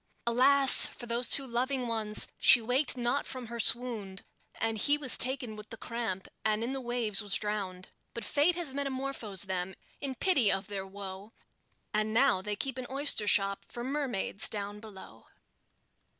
Alas! for those two loving ones! she waked not from her swound, And he was taken with the cramp, and in the waves was drowned; But Fate has metamorphosed them, in pity of their woe, And now they keep an oyster shop for mermaids down below.